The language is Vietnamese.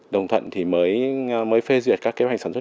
đồng thuận thì mới phê duyệt các kế hoạch sản xuất